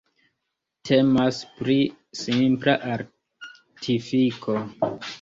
Temas pri simpla artifiko...